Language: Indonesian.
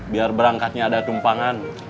biar berangkatnya ada tumpangan